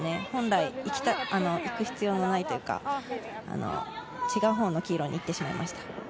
本来行く必要のないところ、違うほうの黄色に行ってしまいました。